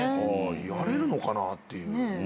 やれるのかなって。